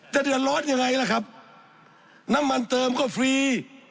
เดือดร้อนยังไงล่ะครับน้ำมันเติมก็ฟรี